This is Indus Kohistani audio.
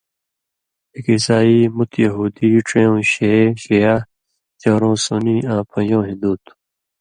اېک عیسائی، مُت یہودی، ڇَیؤں شے (شیعہ)، چورؤں سُنی آں پَن٘ژؤں ہِندُو تُھو